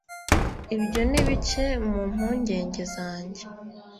ibyo ni bike mu mpungenge zanjye